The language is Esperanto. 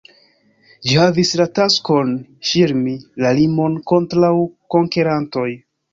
Ĝi havis la taskon ŝirmi la limon kontraŭ konkerantoj.